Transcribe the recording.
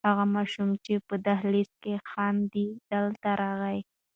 هغه ماشوم چې په دهلېز کې خاندي دلته راغی.